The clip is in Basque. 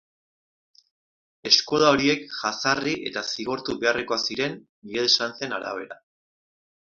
Eskola horiek jazarri eta zigortu beharrekoak ziren Miguel Sanzen arabera.